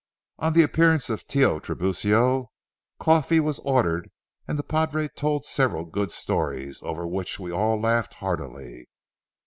On the appearance of Tio Tiburcio, coffee was ordered and the padre told several good stories, over which we all laughed heartily.